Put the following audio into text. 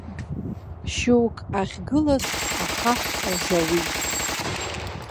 Шьоук ахьгылаз ахаҳә рзауит.